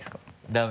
ダメ？